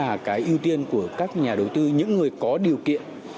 đất nền vẫn là cái ưu tiên của các nhà đầu tư những người có điều kiện